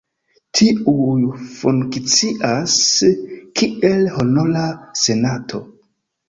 Tiuj funkcias kiel honora senato.